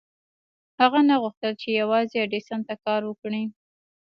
هغه نه غوښتل چې يوازې ايډېسن ته کار وکړي.